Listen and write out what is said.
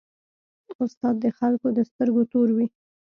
استاد د خلکو د سترګو تور وي.